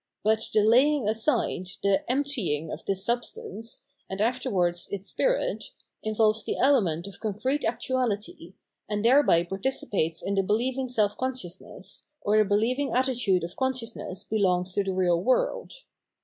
But the laying aside, the " empty ing," of this substance, and afterwards its spirit, in volves the element of concrete actuahty, and thereby participates in the beheving self consciousness, or the beheving attitude of consciousness belongs to the real world.